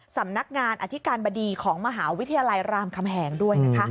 สำนักงานอธิการบดีของมหาวิทยาลัยรามคำแหงด้วยนะคะ